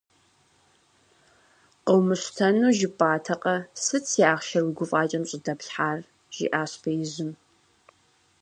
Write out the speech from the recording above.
Къыумыщтэну жыпӀатэкъэ, сыт си ахъшэр уи гуфӀакӀэм щӀыдэплъхьар? - жиӀащ беижьым.